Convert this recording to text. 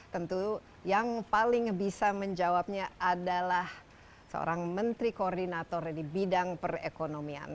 tentu yang paling bisa menjawabnya adalah seorang menteri koordinator di bidang perekonomian